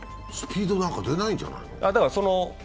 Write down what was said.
スピードなんか出ないんじゃないの？